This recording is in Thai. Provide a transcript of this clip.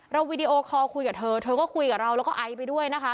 วีดีโอคอลคุยกับเธอเธอก็คุยกับเราแล้วก็ไอซ์ไปด้วยนะคะ